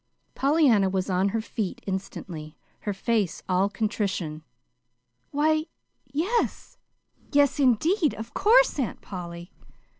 Pollyanna was on her feet instantly, her face all contrition. "Why, yes yes, indeed; of course, Aunt Polly!